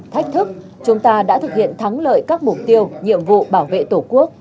thách thức chúng ta đã thực hiện thắng lợi các mục tiêu nhiệm vụ bảo vệ tổ quốc